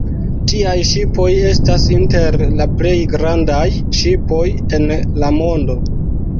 Tiaj ŝipoj estas inter la plej grandaj ŝipoj en la mondo.